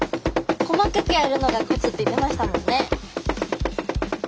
細かくやるのがコツって言ってましたもんね。